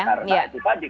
karena itu panjang